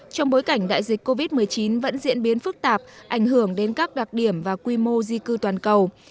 trong bối cảnh đại dịch covid một mươi chín vẫn diễn biến phức tạp ảnh hưởng đến các đặc điểm và quy mô di cư toàn cầu